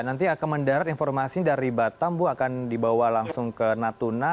nanti akan mendarat informasi dari batam bu akan dibawa langsung ke natuna